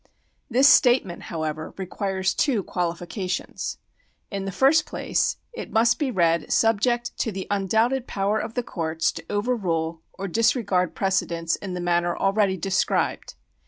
This statement, however, requires two qualifications. In the first place, it must be read subject to the undoubted power of the courts to overrule or disregard precedents in the manner already described.